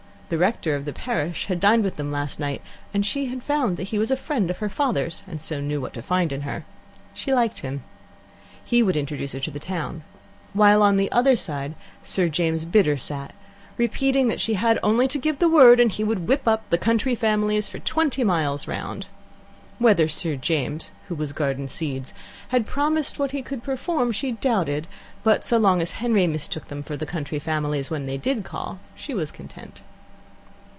The rector of the parish had dined with them last night, and she found that he was a friend of her father's, and so knew what to find in her. She liked him. He would introduce her to the town. While, on her other side, Sir James Bidder sat, repeating that she only had to give the word, and he would whip up the county families for twenty miles round. Whether Sir James, who was Garden Seeds, had promised what he could perform, she doubted, but so long as Henry mistook them for the county families when they did call, she was content.